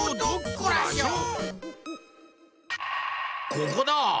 ここだ！